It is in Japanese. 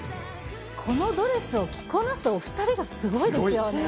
このドレスを着こなすお２人がすごいですよね。